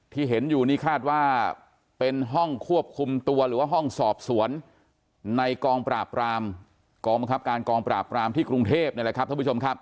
ที่เห็นอยู่นี่คาดว่าเป็นห้องควบคุมตัวหรือว่าห้องสอบสวนในกองปราบรามกองบังคับการกองปราบรามที่กรุงเทพนี่แหละครับท่านผู้ชมครับ